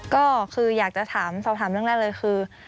ก็คืออยากจะถามสอบถามเรื่องแรกเลยคือ